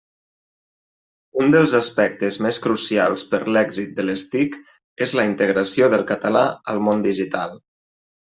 Un dels aspectes més crucials per l'èxit de les TIC és la integració del català al món digital.